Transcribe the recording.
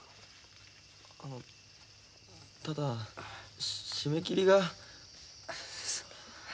あのただ締め切りが。